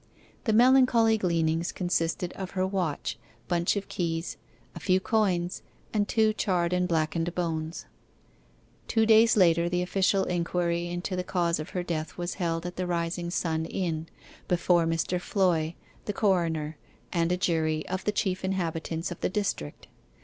The melancholy gleanings consisted of her watch, bunch of keys, a few coins, and two charred and blackened bones. Two days later the official inquiry into the cause of her death was held at the Rising Sun Inn, before Mr. Floy, the coroner, and a jury of the chief inhabitants of the district.